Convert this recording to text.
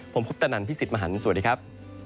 ผมคุปตะนันพี่สิทธิ์มหันฯสวัสดีครับ